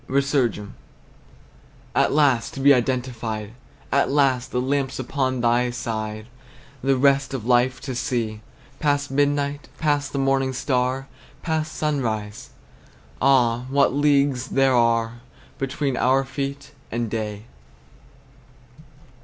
RESURGAM. At last to be identified! At last, the lamps upon thy side, The rest of life to see! Past midnight, past the morning star! Past sunrise! Ah! what leagues there are Between our feet and day!